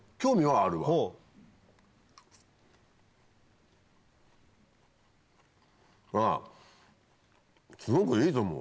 あぁすごくいいと思う。